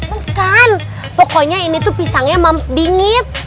bukan pokoknya ini tuh pisangnya moms bingit